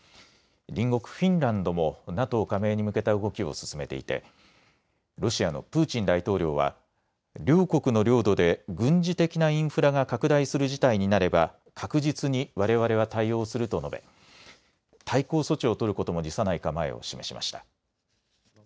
隣国フィンランドもＮＡＴＯ加盟に向けた動きを進めていてロシアのプーチン大統領は両国の領土で軍事的なインフラが拡大する事態になれば確実にわれわれは対応すると述べ対抗措置を取ることも辞さない構えを示しました。